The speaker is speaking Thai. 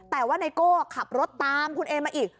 แต่ว่าไนโก้ขับรถตามคุณเอมาอีก